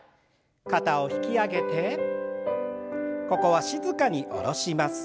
肩を引き上げてここは静かに下ろします。